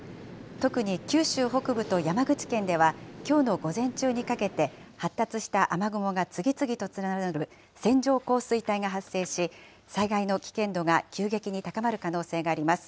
特に九州北部と山口県では、きょうの午前中にかけて、発達した雨雲が次々と連なる線状降水帯が発生し、災害の危険度が急激に高まる可能性があります。